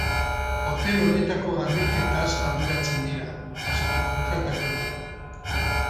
Hotel horietako garbiketaz arduratzen dira, azpikontratatuta.